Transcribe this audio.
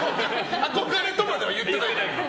憧れとまでは言ってないけど。